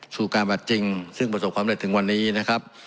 สู่การบัตรจริงซึ่งประสบความเร็จถึงวันนี้นะครับ